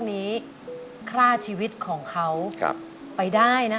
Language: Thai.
อเรนนี่คือเหตุการณ์เริ่มต้นหลอนช่วงแรกแล้วมีอะไรอีก